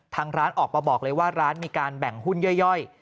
ทางร้านออกมาบอกเลยว่าร้านมีการแบ่งหุ้นย่อย